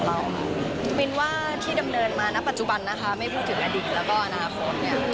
คือบอกว่าที่ดำเดินมาปัจจุบันไม่พูดถึงอดีตแล้วก็อนาคต